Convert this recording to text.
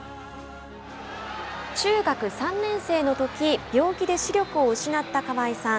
中学３年生のとき病気で視力を失った河合さん。